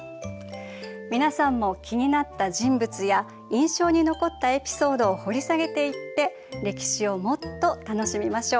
皆さんも気になった人物や印象に残ったエピソードを掘り下げていって歴史をもっと楽しみましょう。